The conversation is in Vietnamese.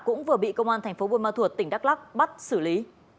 cũng vừa bị công an thành phố buôn ma thuột tỉnh đắk lắc bắt xử lý